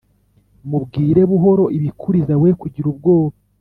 Mubwire buhoro ibikuriza we kugira ubwoba